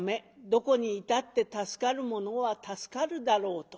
どこにいたって助かるものは助かるだろうと。